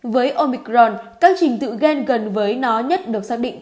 với omicron các trình tự ghen gần với nó nhất được xác định